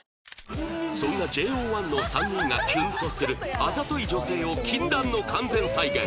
そんな ＪＯ１ の３人がキュンとするあざとい女性を禁断の完全再現！